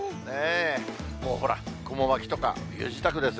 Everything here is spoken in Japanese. もうほら、こも巻きとか、冬支度です。